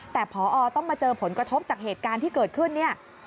แต่พอต้องมาเจอผลกระทบจากเหตุการณ์ที่เกิดขึ้นเนี่ย